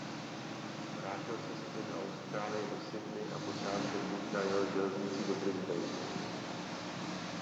Vrátil se zpět do Austrálie do Sydney a počátkem dubna jel železnicí do Brisbane.